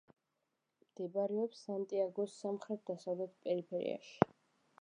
მდებარეობს სანტიაგოს სამხრეთ-დასავლეთ პერიფერიაში.